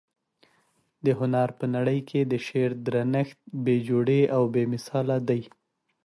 د هنر په نړۍ کي د شعر درنښت بې جوړې او بې مثاله دى.